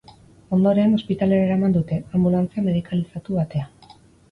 Ondoren, ospitalera eraman dute, anbulantzia medikalizatu batean.